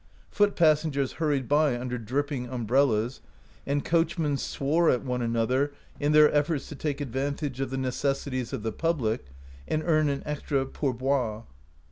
Foot passengers hurried by under dripping umbrellas, and coachmen swore at one another in their efforts to take advantage of the necessities of the public and earn an extra pour boire.